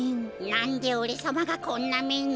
なんでおれさまがこんなめに。